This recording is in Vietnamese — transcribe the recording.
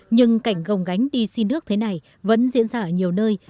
nhưng cảnh gồng gánh đi xin nước thế giới